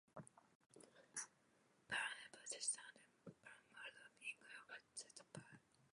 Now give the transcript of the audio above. Varanids possess unidirectional pulmonary airflow, including airsacs akin to those of birds.